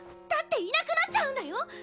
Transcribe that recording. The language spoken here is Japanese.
だっていなくなっちゃうんだよ！